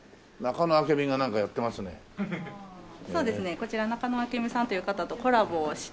こちら中野明海さんという方とコラボをして。